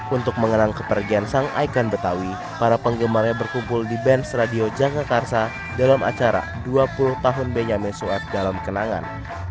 untuk mengerang kepergian sang ikon betawi para penggemarnya berkumpul di benz radio jakarta dalam acara dua puluh tahun benyamin sueb dalam kenangan